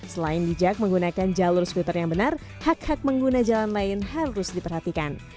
selain bijak menggunakan jalur skuter yang benar hak hak pengguna jalan lain harus diperhatikan